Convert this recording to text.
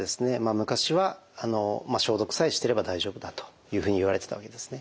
昔は消毒さえしてれば大丈夫だというふうにいわれてたわけですね。